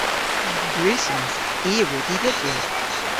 Gwrussons. I a wrug y dhybri.